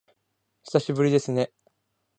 久しぶりですね